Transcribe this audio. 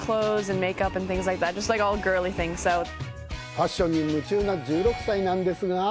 ファッションに夢中な１６歳なんですが